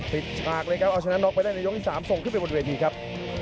ติดชากเลยเอาชนะน็อกไปได้ในยองที่สามส่งไปถึงบนวิทีครับ